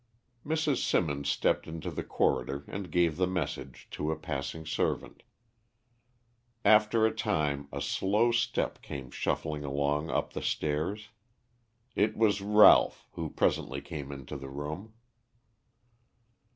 Mrs. Symonds stepped into the corridor and gave the message to a passing servant. After a time a slow step came shuffling along up the stairs. It was Ralph, who presently came into the room.